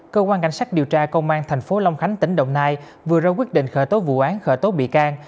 cơ quan cảnh sát điều tra công an tp long khánh tỉnh đồng nai vừa ra quyết định khởi tố vụ án khởi tố bị can